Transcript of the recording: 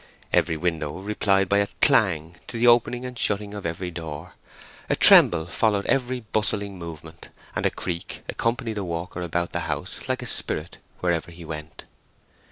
Every window replied by a clang to the opening and shutting of every door, a tremble followed every bustling movement, and a creak accompanied a walker about the house, like a spirit, wherever he went.